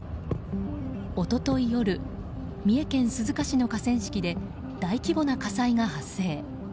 一昨日夜三重県鈴鹿市の河川敷で大規模な火災が発生。